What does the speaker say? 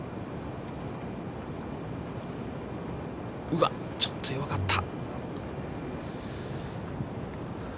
うわっ、ちょっと弱かった。